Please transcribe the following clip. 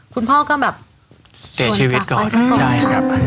คุณพ่อก็แบบเสียชีวิตก่อน